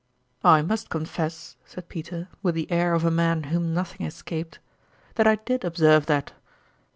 " I must confess," said Peter, with the air of a man whom nothing escaped, " that I did ob serve that."